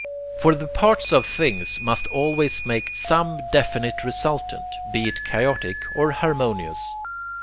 For the parts of things must always make SOME definite resultant, be it chaotic or harmonious.